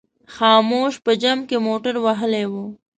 خاموش په جمپ کې موټر وهلی و.